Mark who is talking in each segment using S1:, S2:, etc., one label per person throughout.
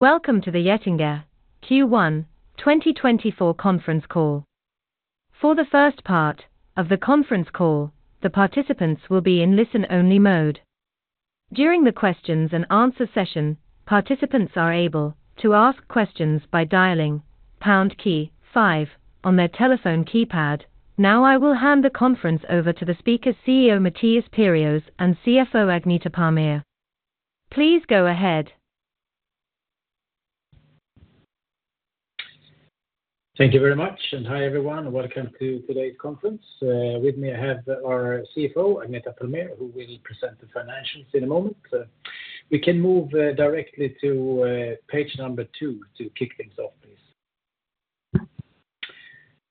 S1: Welcome to the Getinge Q1 2024 conference call. For the first part of the conference call, the participants will be in listen-only mode. During the questions and answer session, participants are able to ask questions by dialing pound key five on their telephone keypad. Now, I will hand the conference over to the speaker, CEO Mattias Perjos and CFO Agneta Palmér. Please go ahead.
S2: Thank you very much, and hi, everyone. Welcome to today's conference. With me, I have our CFO, Agneta Palmér, who will present the financials in a moment. We can move directly to page number two to kick things off, please.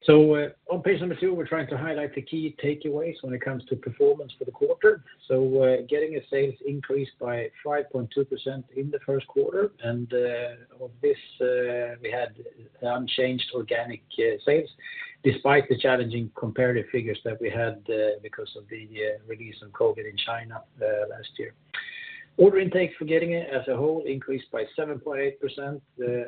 S2: So, on page number two, we're trying to highlight the key takeaways when it comes to performance for the quarter. So we're getting a sales increase by 5.2% in the first quarter, and, of this, we had unchanged organic sales, despite the challenging comparative figures that we had, because of the release of COVID in China, last year. Order intake for Getinge as a whole increased by 7.8%,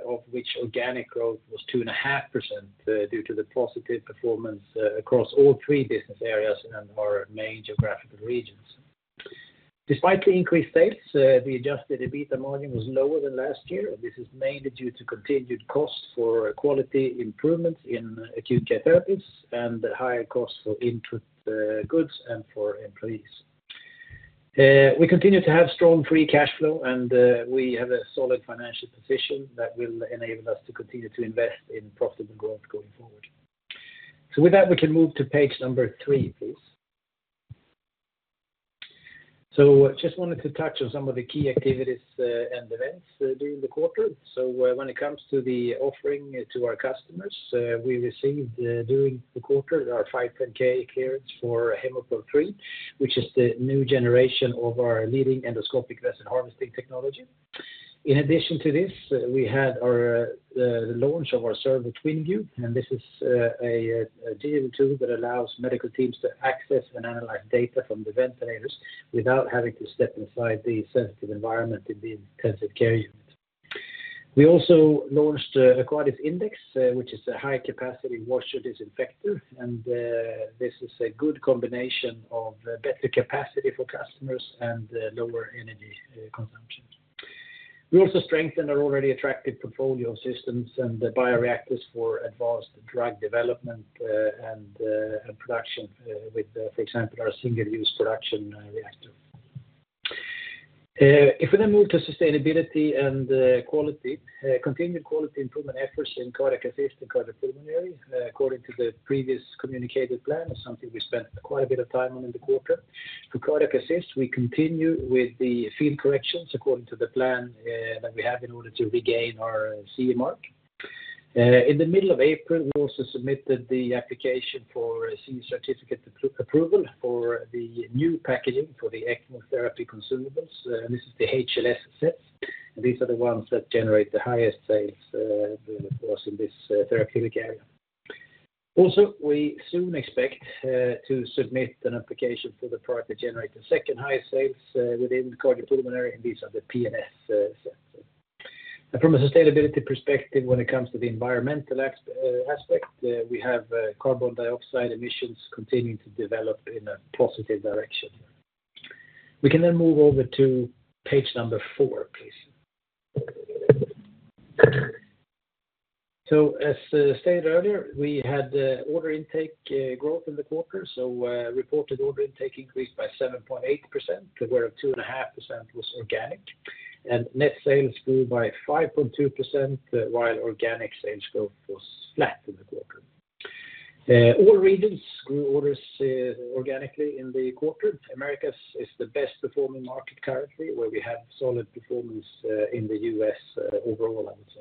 S2: of which organic growth was 2.5%, due to the positive performance across all three business areas in our major geographical regions. Despite the increased sales, our adjusted EBITDA margin was lower than last year, and this is mainly due to continued costs for quality improvements in acute care therapies and higher costs for input goods and for employees. We continue to have strong free cash flow, and we have a solid financial position that will enable us to continue to invest in profitable growth going forward. So with that, we can move to page 3, please. Just wanted to touch on some of the key activities and events during the quarter. So when it comes to the offering to our customers, we received, during the quarter our 510(k) clearance for Hemopro 3, which is the new generation of our leading endoscopic vessel harvesting technology. In addition to this, we had our, the launch of our service, TwinView, and this is, a digital tool that allows medical teams to access and analyze data from the ventilators without having to step inside the sensitive environment in the intensive care unit. We also launched the Aquadis Index, which is a high-capacity washer-disinfector, and, this is a good combination of better capacity for customers and, lower energy, consumption. We also strengthened our already attractive portfolio systems and the bioreactors for advanced drug development, and, and production, with, for example, our single-use production, reactor. If we then move to sustainability and quality, continued quality improvement efforts in cardiac assist and cardiopulmonary, according to the previous communicated plan, is something we spent quite a bit of time on in the quarter. To cardiac assist, we continue with the field corrections according to the plan that we have in order to regain our CE mark. In the middle of April, we also submitted the application for CE certificate approval for the new packaging for the ECMO therapy consumables, and this is the HLS sets. These are the ones that generate the highest sales for us in this therapeutic area. Also, we soon expect to submit an application for the product that generated second-highest sales within cardiopulmonary, and these are the PLS sets. From a sustainability perspective, when it comes to the environmental aspect, we have carbon dioxide emissions continuing to develop in a positive direction. We can then move over to page 4, please. As stated earlier, we had order intake growth in the quarter, so reported order intake increased by 7.8%, where 2.5% was organic, and net sales grew by 5.2%, while organic sales growth was flat in the quarter. All regions grew orders organically in the quarter. Americas is the best performing market currently, where we have solid performance in the U.S. overall, I would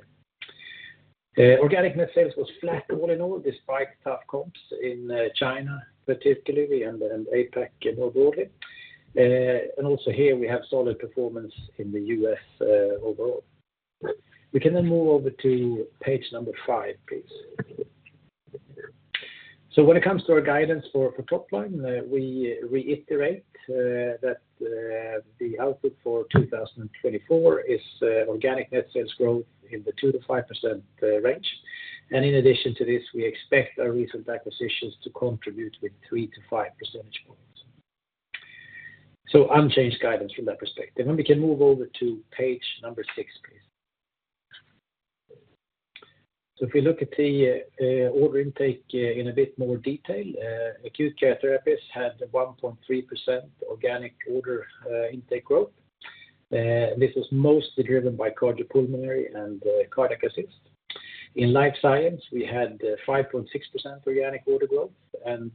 S2: say. Organic net sales was flat all in all, despite tough comps in China, particularly, and APAC and globally. and also here we have solid performance in the U.S., overall. We can then move over to page number five, please. So when it comes to our guidance for, for top line, we reiterate, that, the output for 2024 is, organic net sales growth in the 2%-5% range. And in addition to this, we expect our recent acquisitions to contribute with three-five percentage points. So unchanged guidance from that perspective. Then we can move over to page number 6, please. So if you look at the order intake, in a bit more detail, acute care therapies had a 1.3% organic order intake growth. This was mostly driven by cardiopulmonary and, cardiac assist. In Life Science, we had 5.6% organic order growth, and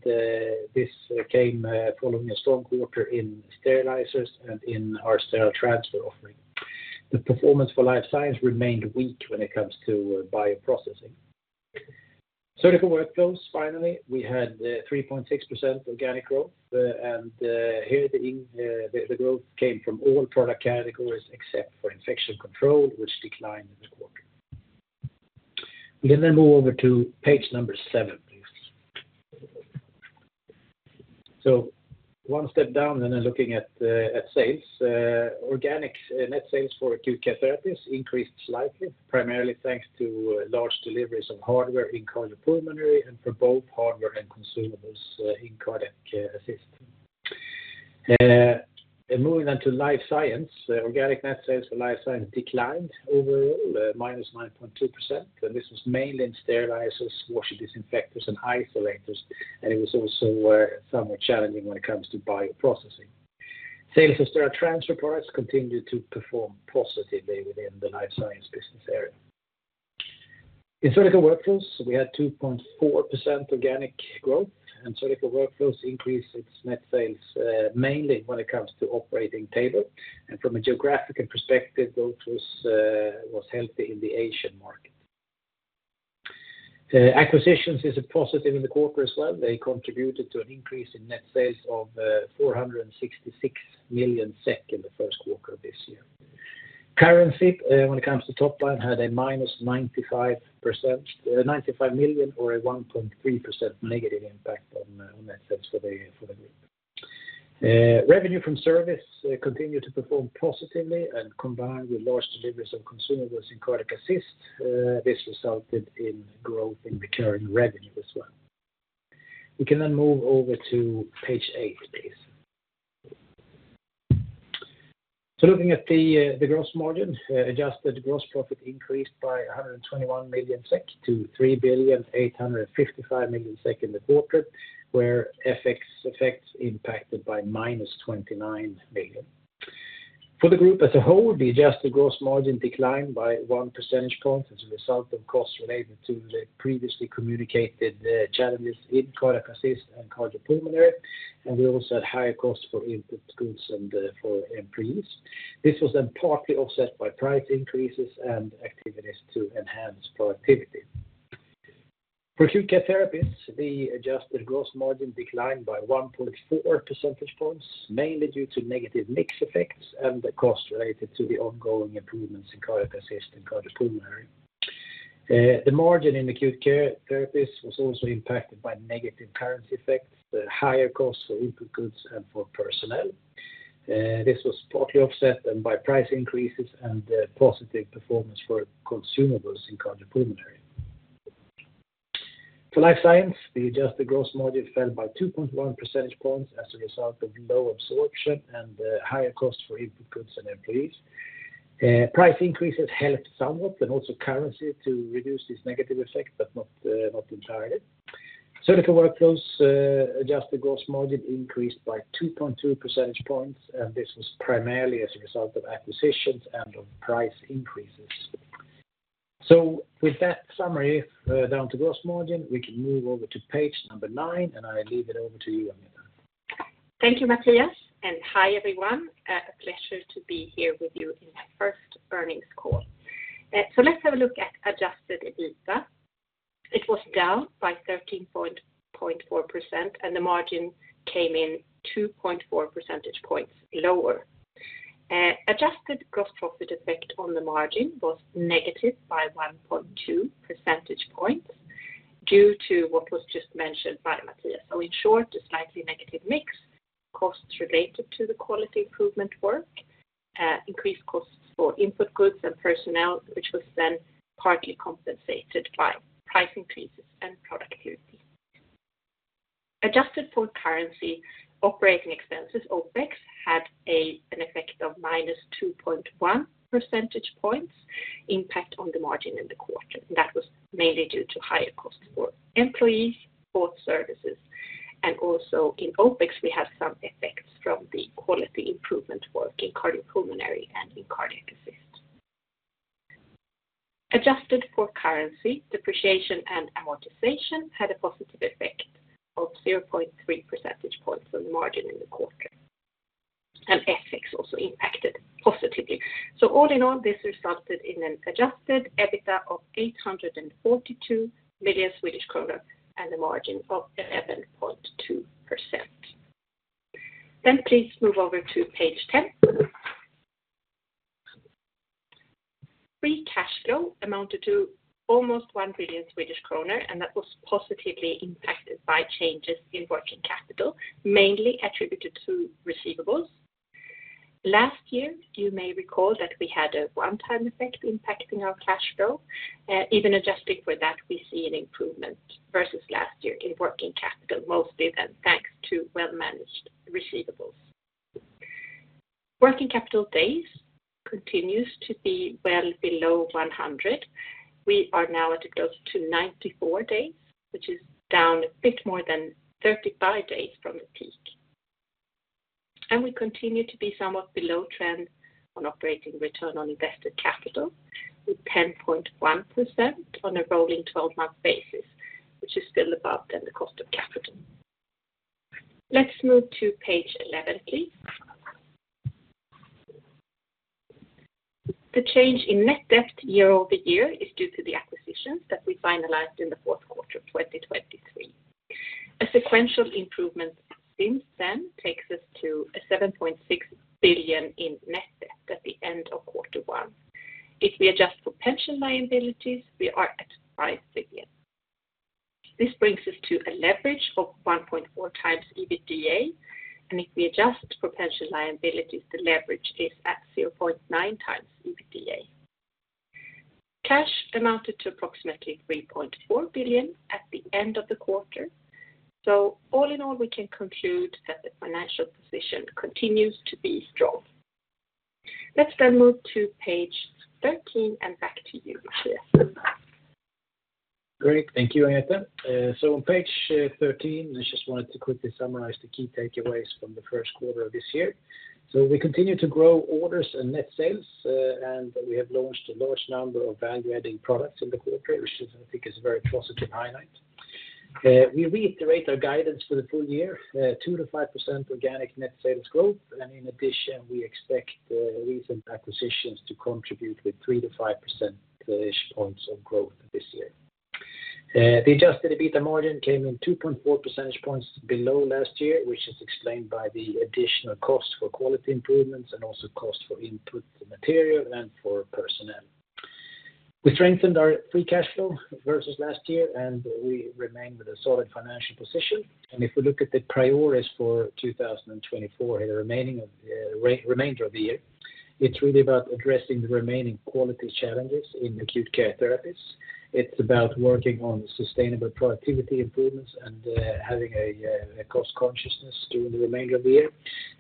S2: this came following a strong quarter in sterilizers and in our Sterile Transfer offering. The performance for Life Science remained weak when it comes to Bioprocessing. Surgical Workflows, finally, we had 3.6% organic growth, and here the growth came from all product categories except for Infection Control, which declined in the quarter. We can then move over to page 7, please. So one step down, and then looking at sales, organic net sales for Acute Care Therapies increased slightly, primarily thanks to large deliveries of hardware in Cardiopulmonary and for both hardware and consumables in Cardiac Care Assist. And moving on to Life Science, organic net sales for Life Science declined overall, -9.2%, and this was mainly in sterilizers, washer disinfectors, and isolators, and it was also somewhat challenging when it comes to bioprocessing. Sales of sterile transfer products continued to perform positively within the Life Science business area. In Surgical Workflows, we had 2.4% organic growth, and Surgical Workflows increased its net sales, mainly when it comes to operating table. And from a geographical perspective, growth was healthy in the Asian market. Acquisitions is a positive in the quarter as well. They contributed to an increase in net sales of 466 million SEK in the first quarter of this year. Currency, when it comes to top line, had a -95%, 95 million, or a 1.3% negative impact on net sales for the group. Revenue from service continued to perform positively, and combined with large deliveries of consumables in cardiac assist, this resulted in growth in recurring revenue as well. We can then move over to page 8, please. So looking at the GROSS MARGIN, adjusted gross profit increased by 121 million SEK to 3,855 million SEK in the quarter, where FX effects impacted by -29 million SEK. For the group as a whole, the adjusted gross margin declined by 1 percentage point as a result of costs related to the previously communicated, challenges in cardiac assist and cardiopulmonary, and we also had higher costs for input goods and, for employees. This was then partly offset by price increases and activities to enhance productivity. For acute care therapies, the adjusted gross margin declined by 1.4 percentage points, mainly due to negative mix effects and the costs related to the ongoing improvements in cardiac assist and cardiopulmonary. The margin in acute care therapies was also impacted by negative currency effects, the higher costs for input goods and for personnel. This was partly offset then by price increases and, positive performance for consumables in cardiopulmonary. For Life Science, the adjusted gross margin fell by 2.1 percentage points as a result of low absorption and higher costs for input goods and employees. Price increases helped somewhat, and also currency to reduce this negative effect, but not entirely. Surgical Workflows, adjusted gross margin increased by 2.2 percentage points, and this was primarily as a result of acquisitions and of price increases. So with that summary, down to GROSS MARGIN, we can move over to page 9, and I leave it over to you, Agneta.
S3: Thank you, Mattias, and hi, everyone. A pleasure to be here with you in my first earnings call. So let's have a look at adjusted EBITDA. It was down by 13.4%, and the margin came in 2.4 percentage points lower. adjusted gross profit effect on the margin was negative by 1.2 percentage points due to what was just mentioned by Mattias. So in short, a slightly negative mix, costs related to the quality improvement work, increased costs for input goods and personnel, which was then partly compensated by price increases and productivity. Adjusted for currency, operating expenses, OPEX, had an effect of -2.1 percentage points impact on the margin in the quarter. That was mainly due to higher costs for employees, for services, and also in OPEX, we had some effects from the quality improvement work in cardiopulmonary and in cardiac assist. Adjusted for currency, depreciation and amortization had a positive effect of 0.3 percentage points on the margin in the quarter, and FX also impacted positively. So all in all, this resulted in an adjusted EBITDA of 842 million Swedish kronor and a margin of 11.2%. Then please move over to page 10. Free cash flow amounted to almost 1 billion Swedish kronor, and that was positively impacted by changes in working capital, mainly attributed to receivables. Last year, you may recall that we had a one-time effect impacting our cash flow. Even adjusting for that, we see an improvement versus last year in working capital, mostly then thanks to well-managed receivables. Working capital days continues to be well below 100. We are now at close to 94 days, which is down a bit more than 35 days from the peak. We continue to be somewhat below trend on operating return on invested capital, with 10.1% on a rolling 12-month basis, which is still above the cost of capital. Let's move to page 11, please. The change in net debt year-over-year is due to the acquisitions that we finalized in the fourth quarter of 2023.... A sequential improvement since then takes us to 7.6 billion in net debt at the end of quarter one. If we adjust for pension liabilities, we are at 5 billion. This brings us to a leverage of 1.4x EBITDA, and if we adjust for pension liabilities, the leverage is at 0.9x EBITDA. Cash amounted to approximately 3.4 billion at the end of the quarter. So all in all, we can conclude that the financial position continues to be strong. Let's then move to page 13, and back to you, Mattias.
S2: Great. Thank you, Agneta. So on page 13, I just wanted to quickly summarize the key takeaways from the first quarter of this year. So we continue to grow orders and net sales, and we have launched the largest number of value-adding products in the quarter, which I think is a very positive highlight. We reiterate our guidance for the full year, 2%-5% organic net sales growth, and in addition, we expect recent acquisitions to contribute with three-five percentage points of growth this year. The adjusted EBITDA margin came in 2.4 percentage points below last year, which is explained by the additional cost for quality improvements and also cost for input, material, and for personnel. We strengthened our free cash flow versus last year, and we remained with a solid financial position. If we look at the priorities for 2024, the remainder of the year, it's really about addressing the remaining quality challenges in acute care therapies. It's about working on sustainable productivity improvements and having a cost consciousness during the remainder of the year.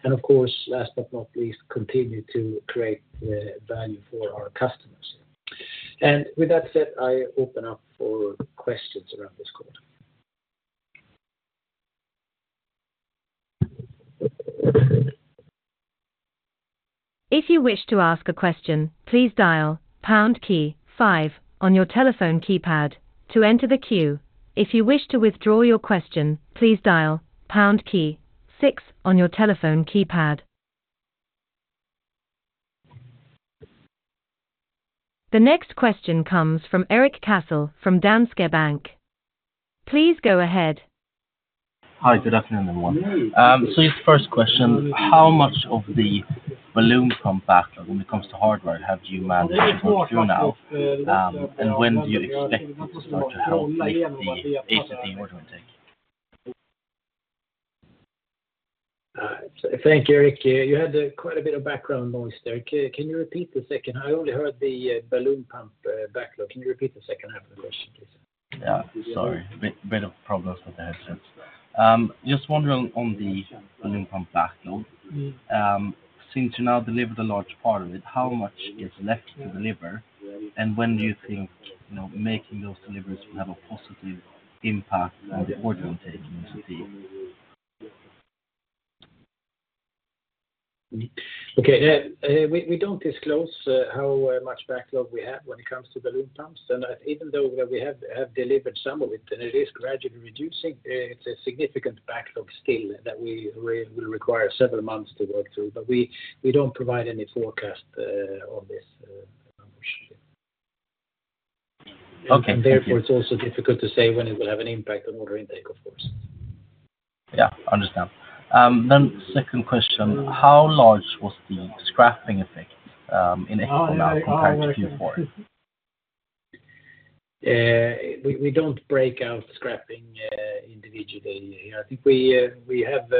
S2: And of course, last but not least, continue to create value for our customers. And with that said, I open up for questions around this call.
S1: If you wish to ask a question, please dial pound key five on your telephone keypad to enter the queue. If you wish to withdraw your question, please dial pound key six on your telephone keypad. The next question comes from Erik Cassel from Danske Bank. Please go ahead.
S4: Hi, good afternoon, everyone. So just first question, how much of the balloon pump back when it comes to hardware, have you managed to go through now? And when do you expect it to start to have the ACT order intake?
S2: Thank you, Erik. You had quite a bit of background noise there. Can you repeat the second? I only heard the balloon pump backlog. Can you repeat the second half of the question, please?
S4: Yeah, sorry. Bit of problems with the headsets. Just wondering on the balloon pump backlog. Since you now delivered a large part of it, how much is left to deliver? And when do you think, you know, making those deliveries will have a positive impact on the order intake into the?
S2: Okay, we don't disclose how much backlog we have when it comes to balloon pumps. And even though we have delivered some of it, and it is gradually reducing, it's a significant backlog still that we will require several months to work through. But we don't provide any forecast on this ownership.
S4: Okay, thank you.
S2: Therefore, it's also difficult to say when it will have an impact on order intake, of course.
S4: Yeah, understand. Then second question: How large was the scrapping effect in Q4 now compared to Q4?
S2: We don't break out scrapping individually. I think we have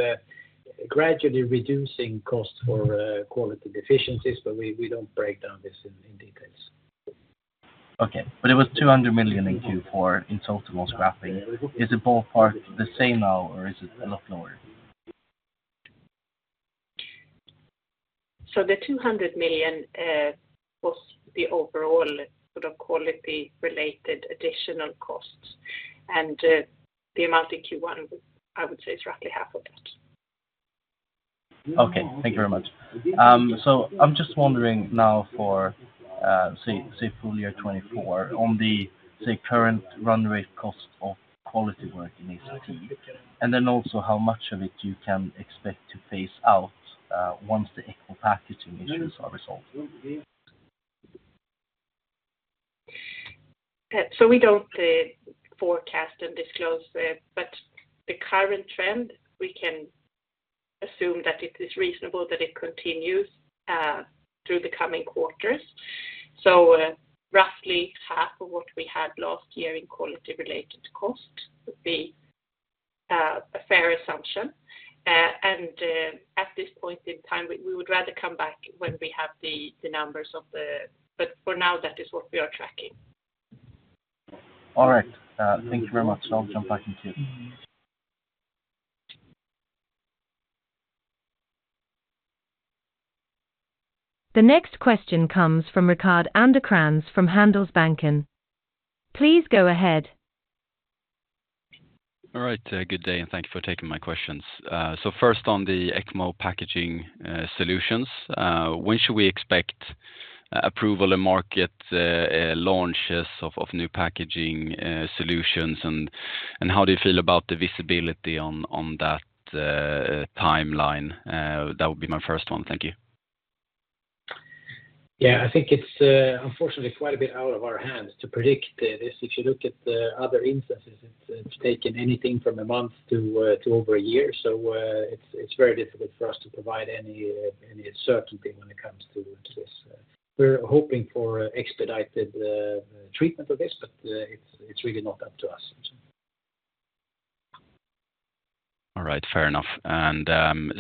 S2: gradually reducing costs for quality deficiencies, but we don't break down this in details.
S4: Okay, but it was 200 million in Q4 in total scrapping. Is it ballpark the same now, or is it a lot lower?
S3: So the 200 million was the overall sort of quality-related additional costs, and the amount in Q1, I would say, is roughly half of that.
S4: Okay, thank you very much. So I'm just wondering now for, say, say full year 2024, on the, say, current run rate cost of quality work in ACT, and then also how much of it you can expect to phase out, once the ECMO packaging issues are resolved.
S3: So we don't forecast and disclose, but the current trend, we can assume that it is reasonable that it continues through the coming quarters. So, roughly half of what we had last year in quality-related cost would be a fair assumption. And, at this point in time, we would rather come back when we have the numbers of the... But for now, that is what we are tracking.
S4: All right. Thank you very much. I'll jump back in queue.
S1: The next question comes from Rickard Anderkrans from Handelsbanken. Please go ahead.
S5: All right, good day, and thank you for taking my questions. So first on the ECMO packaging solutions, when should we expect approval and market launches of new packaging solutions? And how do you feel about the visibility on that timeline? That would be my first one. Thank you. ...
S2: Yeah, I think it's, unfortunately, quite a bit out of our hands to predict this. If you look at the other instances, it's taken anything from a month to over a year. So, it's very difficult for us to provide any certainty when it comes to this. We're hoping for expedited treatment of this, but it's really not up to us.
S5: All right, fair enough. And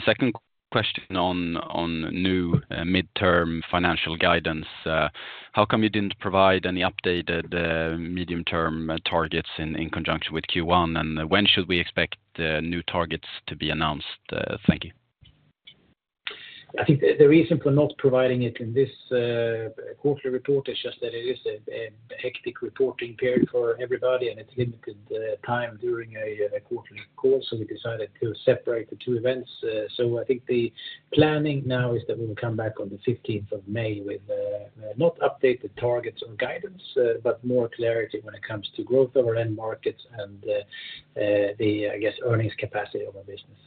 S5: second question on new midterm financial guidance. How come you didn't provide any updated medium-term targets in conjunction with Q1? And when should we expect the new targets to be announced? Thank you.
S2: I think the reason for not providing it in this quarterly report is just that it is a hectic reporting period for everybody, and it's limited time during a quarterly call. So we decided to separate the two events. So I think the planning now is that we will come back on the 15th of May with not updated targets or guidance, but more clarity when it comes to growth of our end markets and the, I guess, earnings capacity of our business.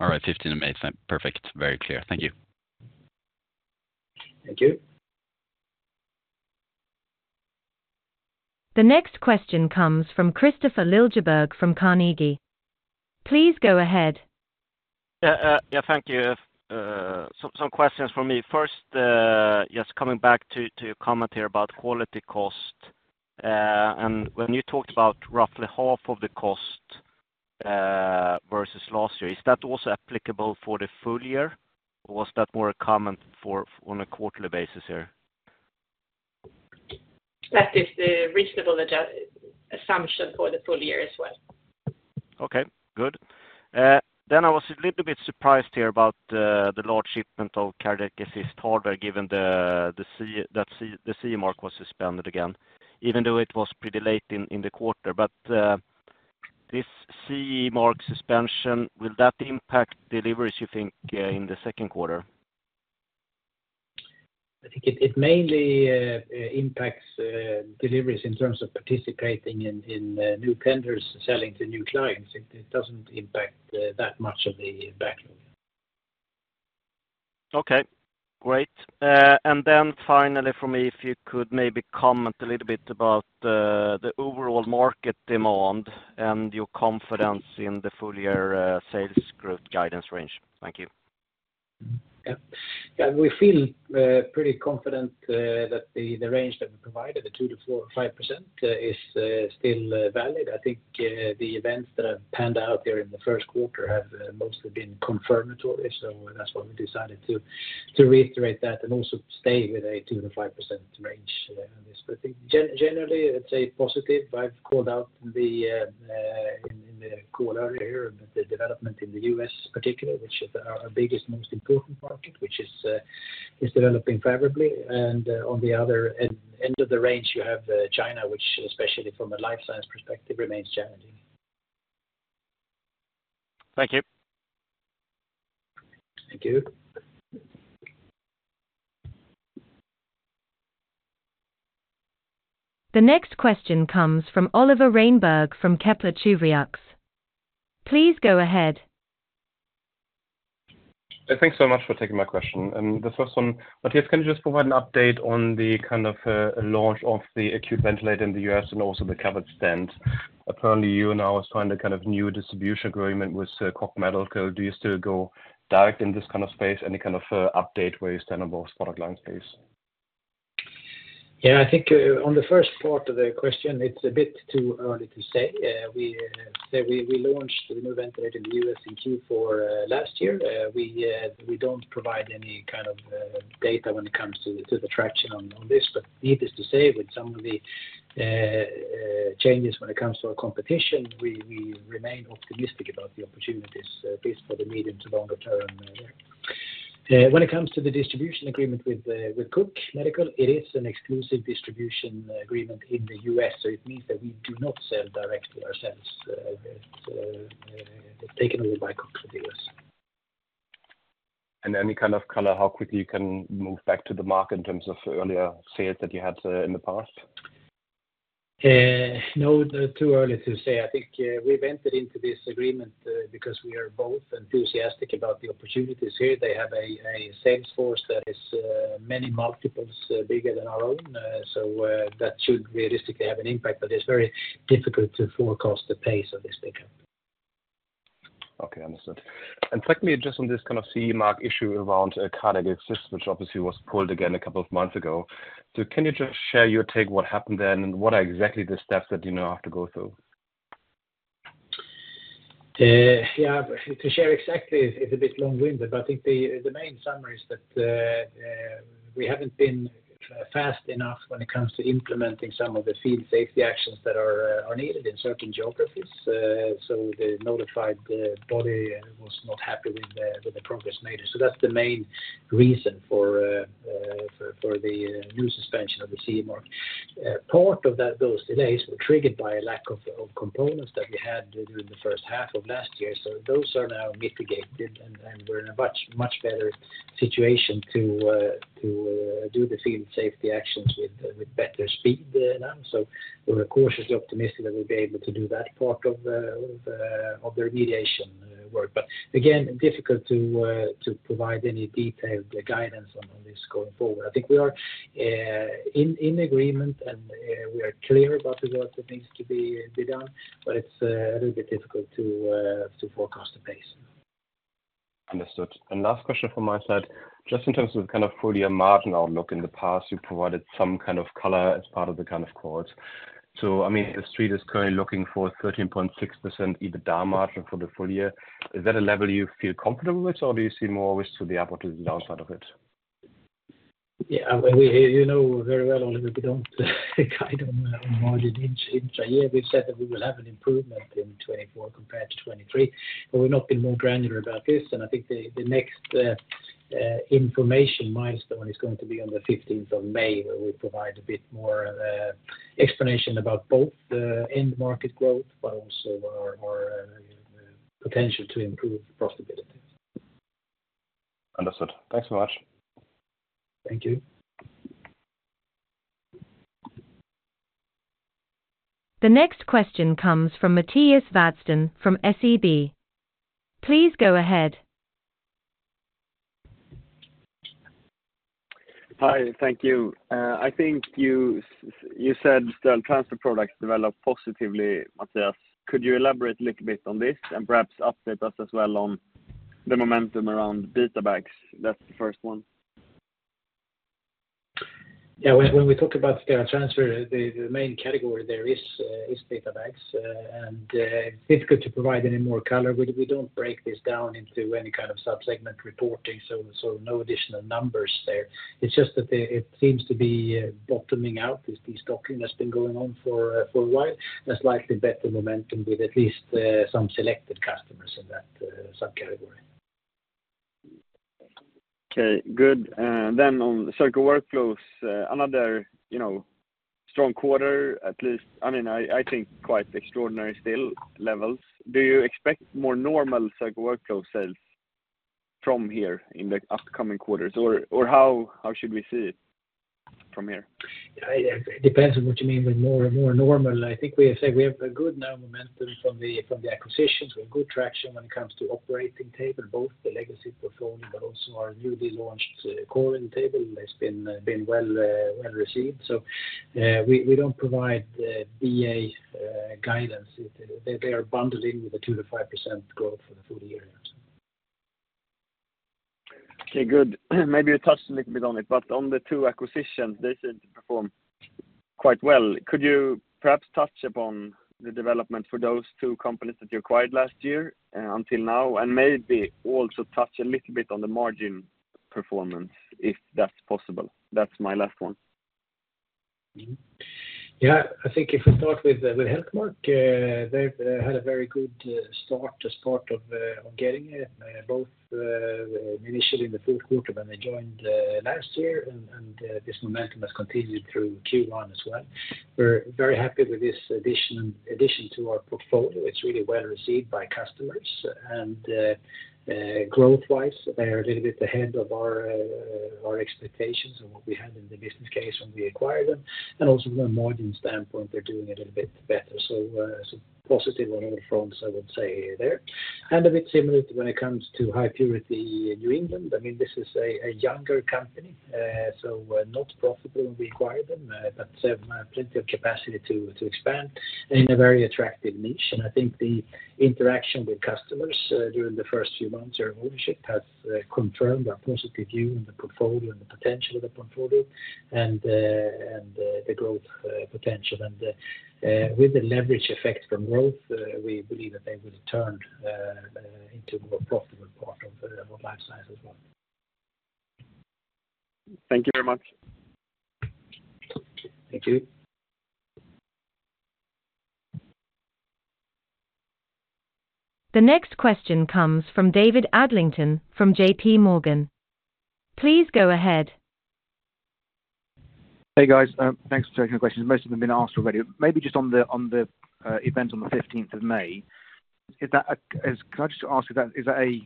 S5: All right, 15th of May. Perfect. Very clear. Thank you.
S2: Thank you.
S1: The next question comes from Kristofer Liljeberg from Carnegie. Please go ahead.
S6: Yeah, thank you. Some questions from me. First, just coming back to your comment here about quality cost. And when you talked about roughly half of the cost versus last year, is that also applicable for the full year, or was that more a comment for on a quarterly basis here?
S3: That is the reasonable adjustment assumption for the full year as well.
S6: Okay, good. Then I was a little bit surprised here about the large shipment of cardiac assist hardware given the CE mark was suspended again, even though it was pretty late in the quarter. But this CE mark suspension, will that impact deliveries, you think, in the second quarter?
S2: I think it mainly impacts deliveries in terms of participating in new vendors selling to new clients. It doesn't impact that much of the backlog.
S6: Okay, great. And then finally for me, if you could maybe comment a little bit about the overall market demand and your confidence in the full year sales growth guidance range. Thank you.
S2: Yeah. Yeah, we feel pretty confident that the range that we provided, the 2%-4% or 5%, is still valid. I think the events that have panned out there in the first quarter have mostly been confirmatory. So that's why we decided to reiterate that and also stay with a 2%-5% range on this. But I think generally, it's a positive. I've called out in the call earlier, the development in the U.S. in particular, which is our biggest, most important market, which is developing favorably. And on the other end of the range, you have China, which especially from a Life Science perspective, remains challenging.
S6: Thank you.
S2: Thank you.
S1: The next question comes from Oliver Reinberg from Kepler Cheuvreux. Please go ahead.
S7: Thanks so much for taking my question. And the first one, Mattias, can you just provide an update on the kind of launch of the acute ventilator in the U.S. and also the covered stent? Apparently, you and I was trying to kind of new distribution agreement with Cook Medical. Do you still go direct in this kind of space? Any kind of update where you stand on both product line space?
S2: Yeah, I think on the first part of the question, it's a bit too early to say. We say we launched the new ventilator in the U.S. in Q4 last year. We don't provide any kind of data when it comes to the traction on this, but needless to say, with some of the changes when it comes to our competition, we remain optimistic about the opportunities, at least for the medium to longer term there. When it comes to the distribution agreement with Cook Medical, it is an exclusive distribution agreement in the U.S., so it means that we do not sell directly ourselves. It's taken over by Cook in the U.S.
S7: Any kind of color, how quickly you can move back to the market in terms of earlier sales that you had, in the past?
S2: No, too early to say. I think we've entered into this agreement because we are both enthusiastic about the opportunities here. They have a sales force that is many multiples bigger than our own. So, that should realistically have an impact, but it's very difficult to forecast the pace of this taken.
S7: Okay, understood. And secondly, just on this kind of CE mark issue around cardiac assist, which obviously was pulled again a couple of months ago. So can you just share your take, what happened then, and what are exactly the steps that you now have to go through?
S2: Yeah, to share exactly is a bit long-winded, but I think the main summary is that we haven't been fast enough when it comes to implementing some of the field safety actions that are needed in certain geographies. So the notified body was not happy with the progress made. So that's the main reason for the new suspension of the CE mark. Part of that, those delays were triggered by a lack of components that we had during the first half of last year. So those are now mitigated, and we're in a much better situation to do the field safety actions with better speed than. So we're cautiously optimistic that we'll be able to do that part of the remediation work. But again, difficult to provide any detailed guidance on this going forward. I think we are in agreement, and we are clear about the work that needs to be done, but it's a little bit difficult to forecast the pace.
S7: Understood. And last question from my side. Just in terms of the kind of full year margin outlook, in the past, you've provided some kind of color as part of the kind of quotes. So, I mean, the street is currently looking for 13.6% EBITDA margin for the full year. Is that a level you feel comfortable with, or do you see more risk to the upside to the downside of it?
S2: Yeah, well, we, you know very well, Oliver, we don't guide on the margin in intrayear. We've said that we will have an improvement in 2024 compared to 2023, but we've not been more granular about this. And I think the, the next information milestone is going to be on the 15th of May, where we provide a bit more explanation about both the end market growth but also our, our potential to improve profitability.
S7: Understood. Thanks so much.
S2: Thank you.
S1: The next question comes from Mattias Vadsten from SEB. Please go ahead.
S8: Hi, thank you. I think you said the transfer products developed positively, Mattias. Could you elaborate a little bit on this and perhaps update us as well on the momentum around BetaBags? That's the first one.
S2: Yeah, when we talk about sterile transfer, the main category there is beta bags, and difficult to provide any more color. We don't break this down into any kind of sub-segment reporting, so no additional numbers there. It's just that the it seems to be bottoming out, as this stocking has been going on for a while, and slightly better momentum with at least some selected customers in that subcategory.
S8: Okay, good. Then on Surgical Workflows, another, you know, strong quarter, at least. I mean, I, I think quite extraordinary still levels. Do you expect more normal Surgical Workflow sales from here in the upcoming quarters? Or, or how, how should we see it from here?
S2: It depends on what you mean with more normal. I think we have said we have a good now momentum from the acquisitions. We have good traction when it comes to operating table, both the legacy portfolio, but also our newly launched Corin table. It's been well received. So, we don't provide VA guidance. They are bundled in with the 2%-5% growth for the full year.
S8: Okay, good. Maybe you touched a little bit on it, but on the two acquisitions, they seem to perform quite well. Could you perhaps touch upon the development for those two companies that you acquired last year, until now, and maybe also touch a little bit on the margin performance, if that's possible? That's my last one.
S2: Mm-hmm. Yeah, I think if we start with Healthmark, they've had a very good start as part of Getinge, both initially in the fourth quarter when they joined last year, and this momentum has continued through Q1 as well. We're very happy with this addition to our portfolio. It's really well received by customers, and growth-wise, they are a little bit ahead of our expectations and what we had in the business case when we acquired them, and also from a margin standpoint, they're doing a little bit better. So, positive on other fronts, I would say there. And a bit similar to when it comes to High Purity New England. I mean, this is a younger company, so we're not profitable, we acquired them, but plenty of capacity to expand in a very attractive niche. And I think the interaction with customers during the first few months of our ownership has confirmed our positive view in the portfolio and the potential of the portfolio, and the growth potential. And with the leverage effect from growth, we believe that they will turn into a more profitable part of Life Science as well.
S8: Thank you very much.
S2: Thank you.
S1: The next question comes from David Adlington, from JP Morgan. Please go ahead.
S9: Hey, guys, thanks for taking the questions. Most of them have been asked already. Maybe just on the event on the 15th of May, is that a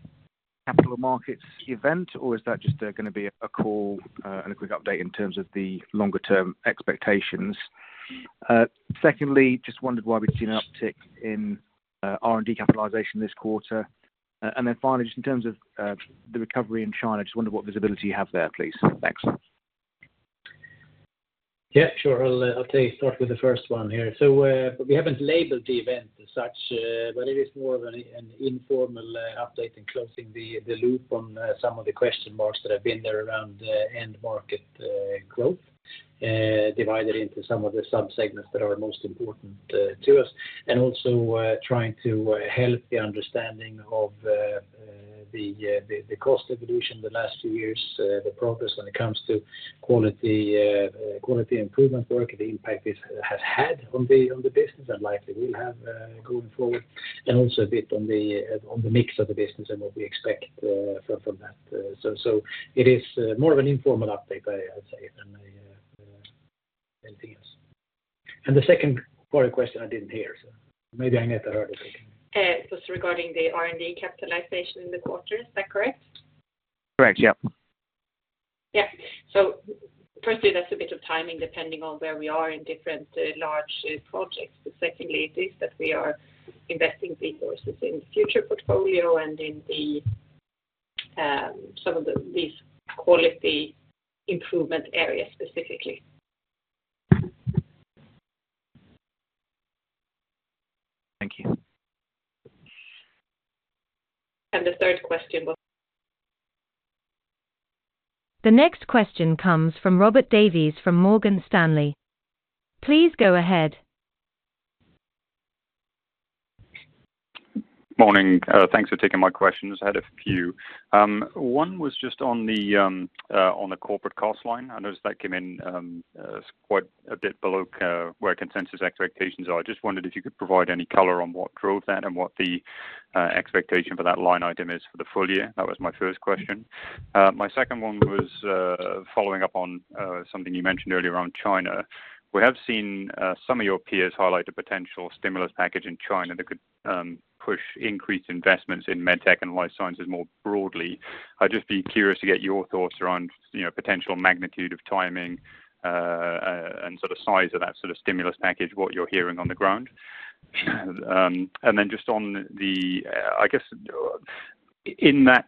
S9: capital markets event, or is that just gonna be a call and a quick update in terms of the longer term expectations? Secondly, just wondered why we've seen an uptick in R&D capitalization this quarter. And then finally, just in terms of the recovery in China, just wonder what visibility you have there, please. Thanks.
S2: Yeah, sure. I'll, I'll tell you, start with the first one here. So, we haven't labeled the event as such, but it is more of an informal update in closing the loop on some of the question marks that have been there around end market growth divided into some of the sub-segments that are most important to us. And also, trying to help the understanding of the cost evolution the last few years, the progress when it comes to quality quality improvement work, the impact this has had on the business, and likely will have going forward. And also a bit on the mix of the business and what we expect from that. So it is more of an informal update, I'd say. Anything else? And the second part of the question I didn't hear, so maybe Agneta heard it.
S3: It was regarding the R&D capitalization in the quarter. Is that correct? Correct, yeah. Yeah. So firstly, that's a bit of timing, depending on where we are in different, large, projects. But secondly, it is that we are investing resources in future portfolio and in the, some of the, these quality improvement areas specifically. Thank you. And the third question was?
S1: The next question comes from Robert Davies from Morgan Stanley. Please go ahead.
S10: Morning. Thanks for taking my questions. I had a few. One was just on the corporate cost line. I noticed that came in quite a bit below where consensus expectations are. I just wondered if you could provide any color on what drove that and what the expectation for that line item is for the full year. That was my first question. My second one was following up on something you mentioned earlier on China. We have seen some of your peers highlight a potential stimulus package in China that could push increased investments in med tech and life sciences more broadly. I'd just be curious to get your thoughts around, you know, potential magnitude of timing and sort of size of that sort of stimulus package, what you're hearing on the ground. And then just on the, I guess, in that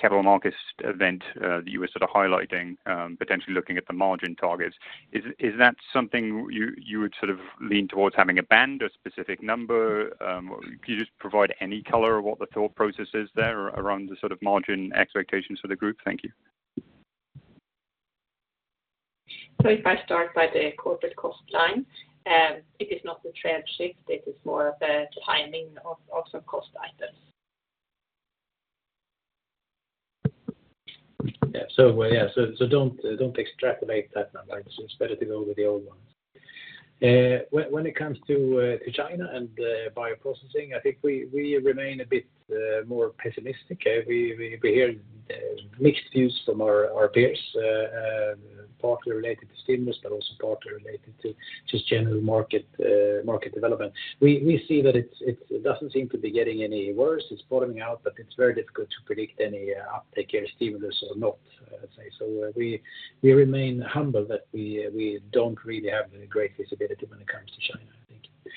S10: capital markets event that you were sort of highlighting, potentially looking at the margin targets, is that something you would sort of lean towards having a band or specific number? Can you just provide any color on what the thought process is there around the sort of margin expectations for the group? Thank you.
S3: If I start by the corporate cost line, it is not a trend shift, it is more of a timing of some cost items.
S2: Yeah. So, don't extrapolate that number. It's better to go with the old one. When it comes to China and bioprocessing, I think we remain a bit more pessimistic. We hear mixed views from our peers, partly related to stimulus, but also partly related to just general market development. We see that it's. It doesn't seem to be getting any worse. It's bottoming out, but it's very difficult to predict any uptake or stimulus or not, I'd say. So we remain humble that we don't really have great visibility when it comes to China,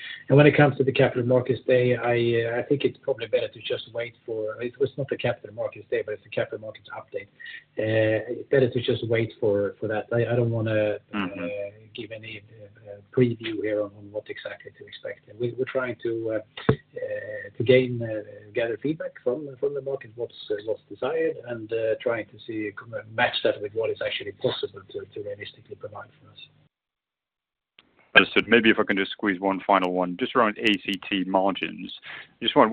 S2: I think. And when it comes to the capital markets day, I think it's probably better to just wait for... It was not the capital markets day, but it's the capital markets update. Better to just wait for that. I don't wanna.
S10: Mm-hmm.
S2: Give any preview here on what exactly to expect. We're trying to gather feedback from the market, what's desired, and trying to see match that with what is actually possible to realistically provide for us.
S10: Understood. Maybe if I can just squeeze one final one, just around ACT margins. Just wonder,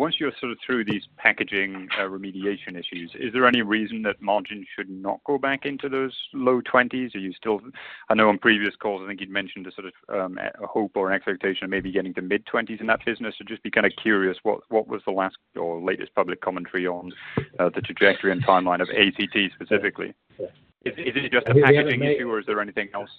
S10: I know on previous calls, I think you'd mentioned a sort of, a hope or an expectation of maybe getting to mid-20s in that business. So just be kind of curious, what was the last or latest public commentary on, the trajectory and timeline of ACT specifically?
S2: Yeah.
S10: Is it just a packaging issue or is there anything else?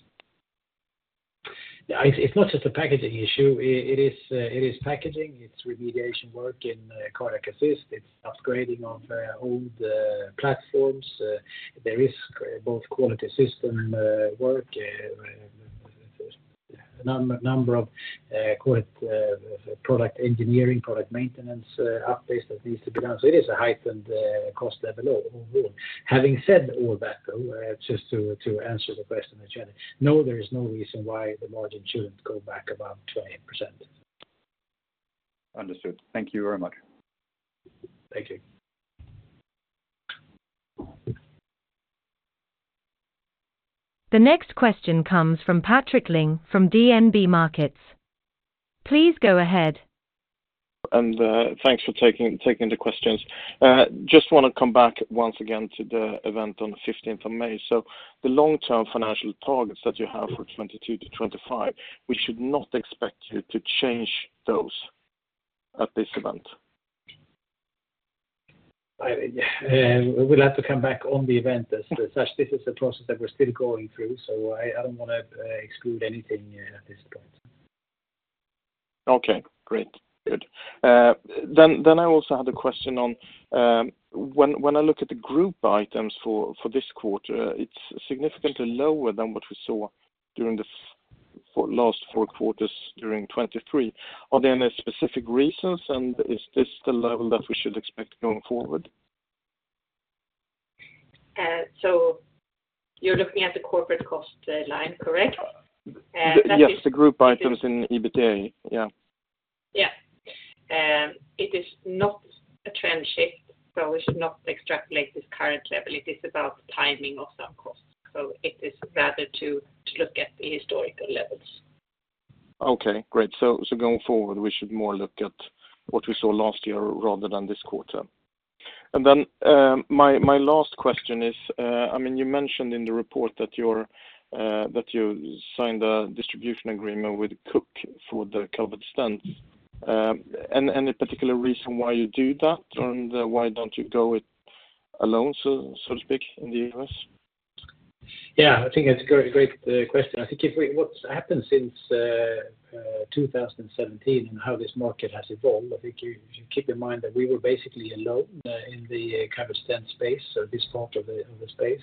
S2: Yeah, it's not just a packaging issue. It is packaging, it's remediation work in cardiac assist, it's upgrading of old platforms. There is both quality system work, number of, call it, product engineering, product maintenance, updates that needs to be done. So it is a heightened cost level overall. Having said all that, though, just to answer the question again, no, there is no reason why the margin shouldn't go back above 20%.
S10: Understood. Thank you very much.
S2: Thank you.
S1: The next question comes from Patrik Ling from DNB Markets. Please go ahead.
S11: And, thanks for taking the questions. Just wanna come back once again to the event on the 15th of May. So the long-term financial targets that you have for 2022 to 2025, we should not expect you to change those at this event?
S2: I, we'll have to come back on the event as such. This is a process that we're still going through, so I don't wanna exclude anything at this point.
S11: Okay, great. Good. Then I also had a question on when I look at the group items for this quarter, it's significantly lower than what we saw during the for last four quarters during 2023. Are there any specific reasons, and is this the level that we should expect going forward?
S3: You're looking at the corporate cost line, correct? That is.
S11: Yes, the group items in EBITDA, yeah.
S3: Yeah. It is not a trend shift, so we should not extrapolate this current level. It is about the timing of some costs, so it is better to look at the historical levels.
S11: Okay, great. So going forward, we should more look at what we saw last year rather than this quarter. And then, my last question is, I mean, you mentioned in the report that you're that you signed a distribution agreement with Cook for the covered stents. Any particular reason why you do that, and why don't you go it alone, so to speak, in the U.S.?
S2: Yeah, I think that's a great, great, question. I think if we-- what's happened since 2017 and how this market has evolved, I think you should keep in mind that we were basically alone in the covered stent space, so this part of the, of the space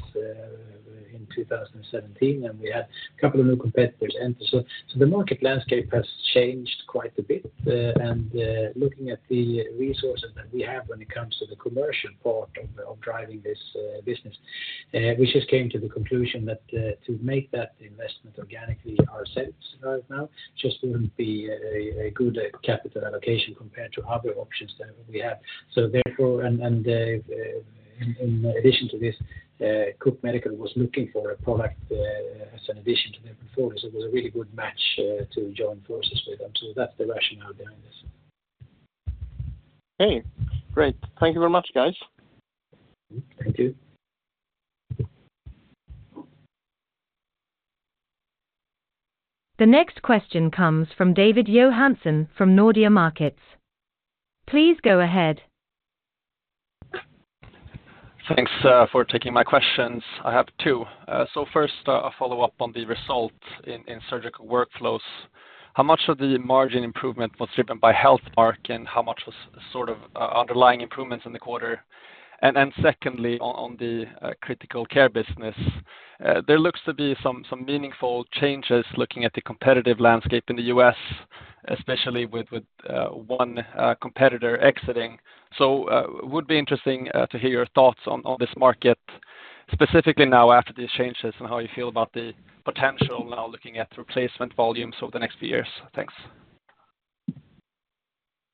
S2: in 2017, and we had a couple of new competitors enter. So, so the market landscape has changed quite a bit. And, looking at the resources that we have when it comes to the commercial part of, of driving this business, we just came to the conclusion that, to make that investment organically ourselves right now, just wouldn't be a, a good capital allocation compared to other options that we have. So therefore, in addition to this, Cook Medical was looking for a product as an addition to their portfolio. So it was a really good match to join forces with them. So that's the rationale behind this.
S11: Okay, great. Thank you very much, guys.
S2: Thank you.
S1: The next question comes from David Johansson from Nordea Markets. Please go ahead.
S12: Thanks for taking my questions. I have two. So first, I'll follow up on the result in surgical workflows. How much of the margin improvement was driven by Healthmark, and how much was sort of underlying improvements in the quarter? And secondly, on the critical care business, there looks to be some meaningful changes looking at the competitive landscape in the U.S., especially with one competitor exiting. So would be interesting to hear your thoughts on this market, specifically now after these changes, and how you feel about the potential now looking at replacement volumes over the next few years. Thanks.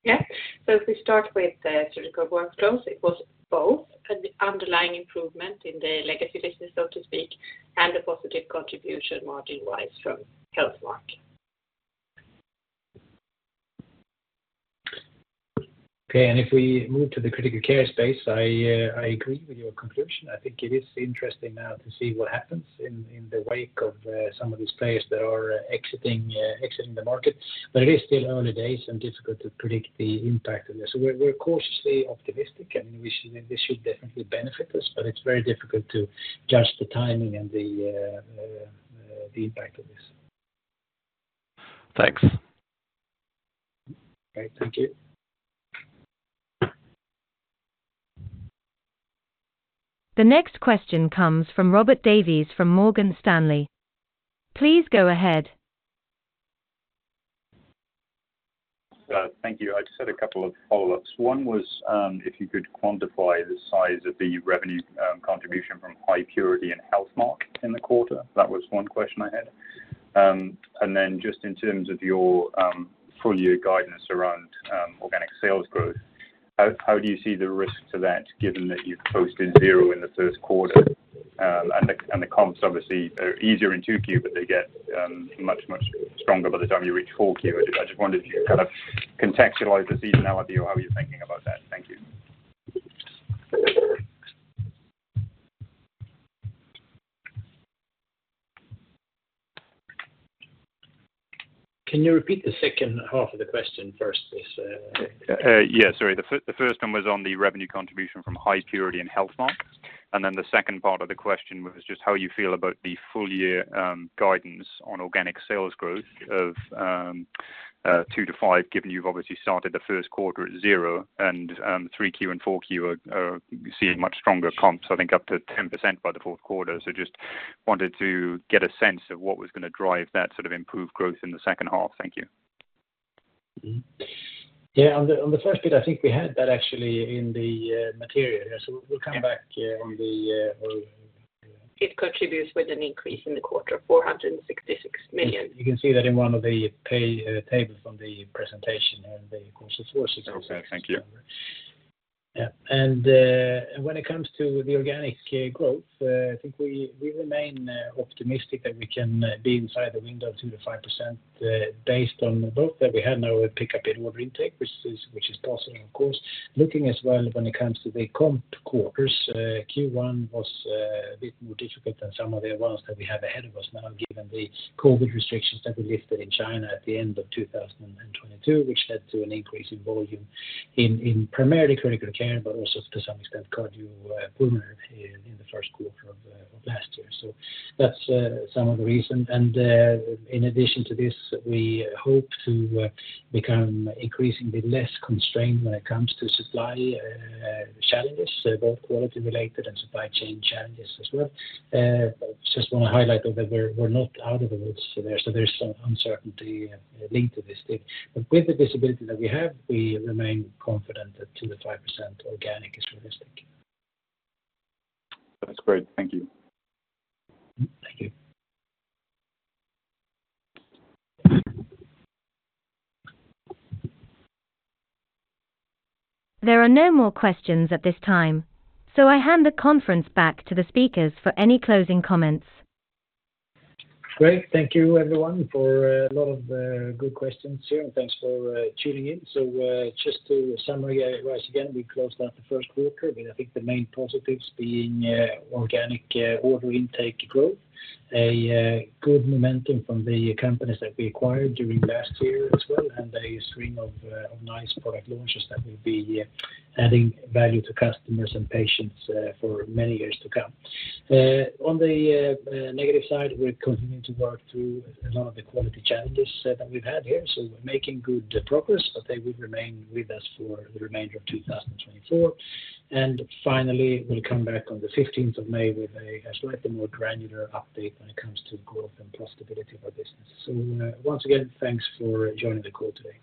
S3: Yeah. So if we start with the Surgical Workflows, it was both an underlying improvement in the legacy business, so to speak, and a positive contribution margin rise from Healthmark.
S2: Okay, and if we move to the critical care space, I agree with your conclusion. I think it is interesting now to see what happens in the wake of some of these players that are exiting the market. But it is still early days and difficult to predict the impact on this. So we're cautiously optimistic, and we should. This should definitely benefit us, but it's very difficult to judge the timing and the impact of this.
S12: Thanks.
S2: Okay, thank you.
S1: The next question comes from Robert Davies from Morgan Stanley. Please go ahead.
S10: Thank you. I just had a couple of follow-ups. One was, if you could quantify the size of the revenue contribution from High Purity and Healthmark in the quarter. That was one question I had. And then just in terms of your full year guidance around organic sales growth, how, how do you see the risk to that, given that you've posted zero in the first quarter? And the comps obviously are easier in 2Q, but they get much, much stronger by the time you reach 4Q. I just wondered if you could kind of contextualize the seasonality or how you're thinking about that. Thank you.
S2: Can you repeat the second half of the question first, please?
S10: Yeah, sorry. The first one was on the revenue contribution from High Purity and Healthmark. And then the second part of the question was just how you feel about the full year guidance on organic sales growth of 2%-5%, given you've obviously started the first quarter at zero, and 3Q and 4Q are seeing much stronger comps, I think, up to 10% by the fourth quarter. So just wanted to get a sense of what was gonna drive that sort of improved growth in the second half. Thank you.
S2: Mm-hmm. Yeah, on the first bit, I think we had that actually in the material. So we'll come back on the...
S3: It contributes with an increase in the quarter, 466 million.
S2: You can see that in one of the page tables from the presentation and the course of sources.
S10: Okay, thank you.
S2: Yeah. And when it comes to the organic growth, I think we remain optimistic that we can be inside the window of 2%-5%, based on both that we had no pick up in order intake, which is possible, of course. Looking as well when it comes to the comp quarters, Q1 was a bit more difficult than some of the ones that we have ahead of us now, given the COVID restrictions that were lifted in China at the end of 2022, which led to an increase in volume in primarily critical care, but also to some extent, cardiopulmonary in the first quarter of last year. So that's some of the reason. In addition to this, we hope to become increasingly less constrained when it comes to supply challenges, so both quality related and supply chain challenges as well. I just wanna highlight that we're not out of the woods there, so there's some uncertainty linked to this thing. With the visibility that we have, we remain confident that 2%-5% organic is realistic.
S10: That's great. Thank you.
S2: Thank you.
S1: There are no more questions at this time, so I hand the conference back to the speakers for any closing comments.
S2: Great. Thank you, everyone, for a lot of good questions here, and thanks for tuning in. So just to summarize again, we closed out the first quarter with, I think, the main positives being organic order intake growth, a good momentum from the companies that we acquired during last year as well, and a string of nice product launches that will be adding value to customers and patients for many years to come. On the negative side, we're continuing to work through a lot of the quality challenges that we've had here. So we're making good progress, but they will remain with us for the remainder of 2024. And finally, we'll come back on the 15th of May with a slightly more granular update when it comes to growth and profitability of our business. So, once again, thanks for joining the call today.